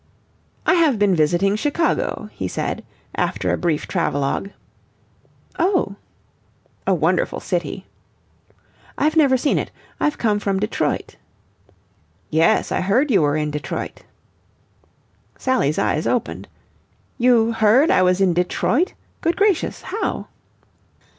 "I have been visiting Chicago," he said after a brief travelogue. "Oh!" "A wonderful city." "I've never seen it. I've come from Detroit." "Yes, I heard you were in Detroit." Sally's eyes opened. "You heard I was in Detroit? Good gracious! How?"